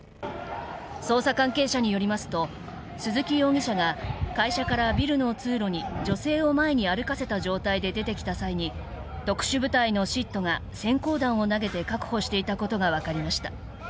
捜査関係者によりますと鈴木容疑者が会社からビルの通路に女性を前に歩かせた状態で出てきた際に特殊部隊のＳＩＴが閃光弾を投げて確保していたことが分かりました。